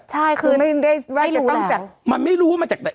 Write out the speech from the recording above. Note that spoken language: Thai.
ใช่คือไม่ได้รู้แล้วมันไม่รู้ว่ามันจากไหน